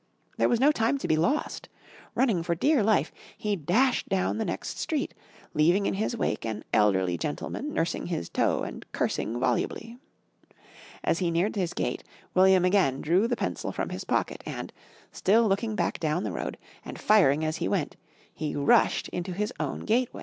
There was no time to be lost. Running for dear life, he dashed down the next street, leaving in his wake an elderly gentleman nursing his toe and cursing volubly. As he neared his gate, William again drew the pencil from his pocket and, still looking back down the road, and firing as he went, he rushed into his own gateway.